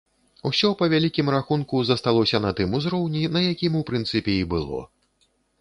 Усё, па вялікім рахунку, засталося на тым узроўні, на якім у прынцыпе і было.